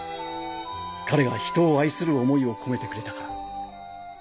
彼が人を愛する思いを込めてくれたから。